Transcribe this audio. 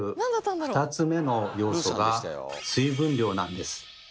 ２つ目の要素が水分量なんです。